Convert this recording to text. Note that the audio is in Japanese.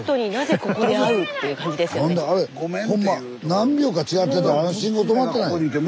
何秒か違ってたらあの信号止まってないよ。